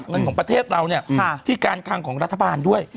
ของประเทศเราเนี่ยที่การคังของรัฐบาลด้วย